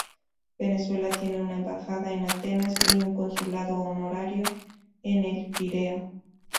Venezuela tiene una embajada en Atenas y un consulado honorario en El Pireo.